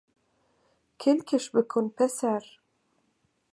کلکش بکن پسر